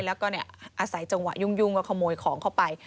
แล้วก็อาศัยจังหวะยุ่งก็ขโมยของเข้าไป